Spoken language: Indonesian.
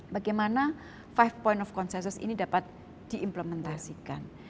bagaimana five point of consensus ini dapat diimplementasikan